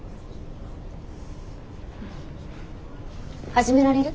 始められる？